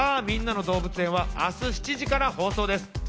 みんなの動物園』は明日７時から放送です。